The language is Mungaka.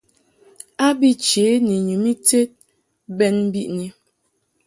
A bi che ni nyum ited bɛn biʼni.